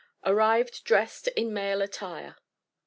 ARRIVED DRESSED IN MALE ATTIRE.